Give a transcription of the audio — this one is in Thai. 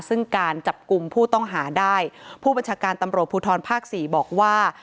ซึ่งการจับกลุ่มผู้ต้องหาได้ผู้บัญชาการตำรวจภูทรภาคสี่บอกว่า